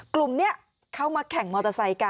กลุ่มนี้เขามาแข่งมอเตอร์ไซค์กัน